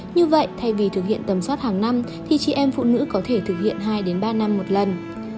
như vậy thay vì thực hiện tầm soát hàng năm thì chị em phụ nữ có thể thực hiện hai ba năm một lần